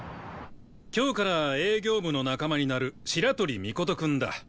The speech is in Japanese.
今日から営業部の仲間になる白鳥尊くんだ。